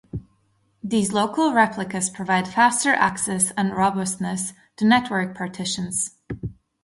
These local replicas provide faster access and robustness to network partitions.